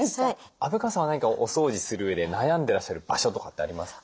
虻川さんは何かお掃除するうえで悩んでらっしゃる場所とかってありますか？